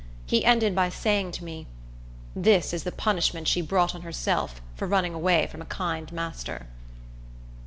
He ended by saying to me, "This is the punishment she brought on herself for running away from a kind master."